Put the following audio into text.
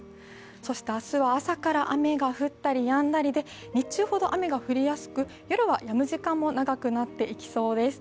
そして明日は朝から雨が降ったりやんだりで日中ほど雨が降りやすく、夜はやむ時間が長くなっていきそうです。